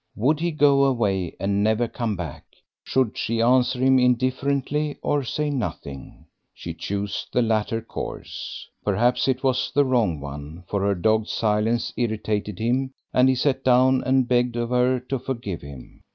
Would he go away and never come back? Should she answer him indifferently or say nothing? She chose the latter course. Perhaps it was the wrong one, for her dogged silence irritated him, and he sat down and begged of her to forgive him.